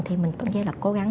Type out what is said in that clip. thì mình tự nhiên là cố gắng